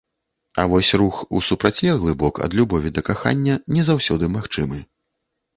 А вось рух у супрацьлеглы бок, ад любові да кахання, не заўсёды магчымы.